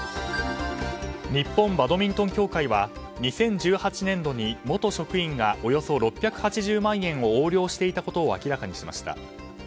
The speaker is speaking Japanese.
日本バドミントン協会は２０１８年度に元職員がおよそ６８０万円を横領していたことを明らかにしました。